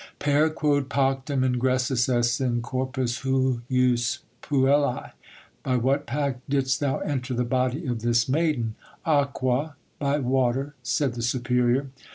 "Per quod pactum ingressus es in corpus hujus puellae?" (By what pact didst thou enter the body of this maiden?) "Aqua" ( By water), said the superior.